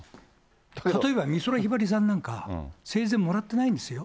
例えば美空ひばりさんなんか、生前もらってないんですよ。